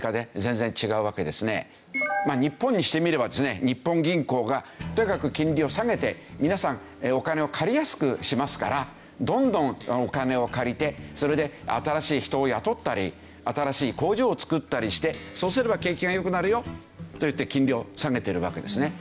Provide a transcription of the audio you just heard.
まあ日本にしてみればですね日本銀行がとにかく金利を下げて「皆さんお金を借りやすくしますからどんどんお金を借りてそれで新しい人を雇ったり新しい工場を造ったりしてそうすれば景気が良くなるよ」といって金利を下げてるわけですね。